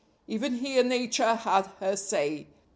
Even here Nature had her say.